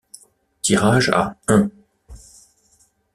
Tirage à un